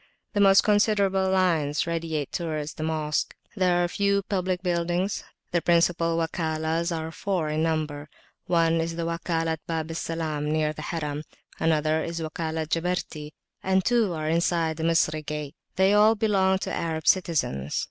The most considerable lines radiate towards the Mosque. There are few public buildings. The principal Wakalahs are four in number; one is the Wakalat Bab Salam near the Harim, another the Wakalat Jabarti, and two are inside the Misri gate; they all belong to Arab citizens.